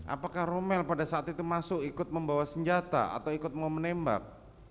apakah romel pada saat itu masuk ikut membawa senjata atau ikut mau menembak